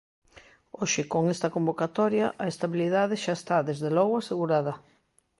Hoxe, con esta convocatoria, a estabilidade xa está, desde logo asegurada.